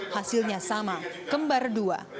hasilnya sama kembar dua